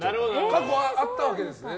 過去、あったわけですね